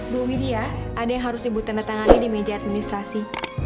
bu widi ya ada yang harus ibu tender tangannya di meja administrasi